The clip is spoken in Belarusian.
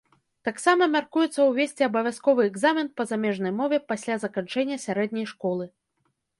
Таксама мяркуецца ўвесці абавязковы экзамен па замежнай мове пасля заканчэння сярэдняй школы.